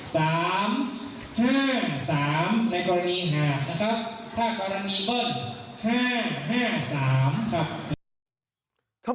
สามห้าสามในกรณีหาดนะครับถ้ากรณีปึ้งห้าห้าสามครับ